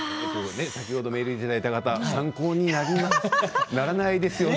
先ほどメールいただいた方参考にならないですよね。